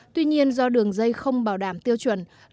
tuy nhiên do đường dây không bảo đảm tiêu chuẩn